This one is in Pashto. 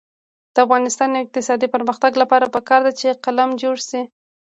د افغانستان د اقتصادي پرمختګ لپاره پکار ده چې قلم جوړ شي.